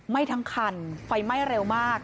ไหม้ทั้งคันไฟไหม้เร็วมาก